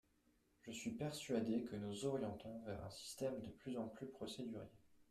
Je suis persuadé que nous orientons vers un système de plus en plus procédurier.